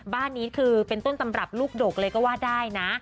บ้านนี้คือเป็นต้นตำรับลูกดกเลยก็ว่าได้นะ